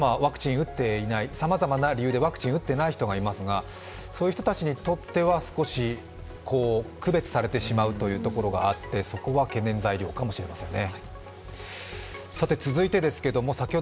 さまざまな理由でワクチンを打っていない人がいますがそういう人たちにとっては、少し区別されてしまうところがあって、そこが懸念材料かもしれませんね。